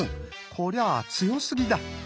こりゃあ強すぎだ！